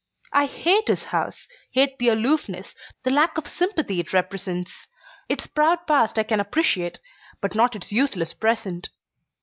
I hate his house, hate the aloofness, the lack of sympathy it represents. Its proud past I can appreciate, but not its useless present.